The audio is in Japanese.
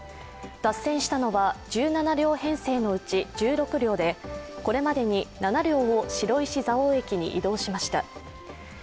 脱線したのは、１７両編成のうち１６両でこれまでに７両を白石蔵王駅に移動しました。